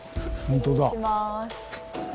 本当だ。